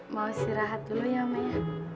mau istirahat dulu ya oma ya